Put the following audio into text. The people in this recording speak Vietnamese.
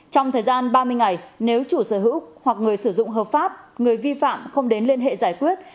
trong thời gian ba mươi ngày nếu chủ sở hữu hoặc người sử dụng hợp pháp người vi phạm không đến liên hệ giải quyết